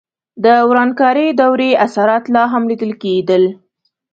د ورانکارې دورې اثرات لا هم لیدل کېدل.